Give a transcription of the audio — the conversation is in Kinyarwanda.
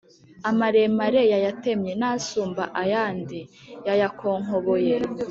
amaremare yayatemye, n’asumba ayandi yayakonkoboye.